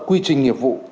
quy trình nghiệp vụ